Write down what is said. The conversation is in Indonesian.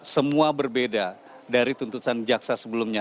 semua berbeda dari tuntutan jaksa sebelumnya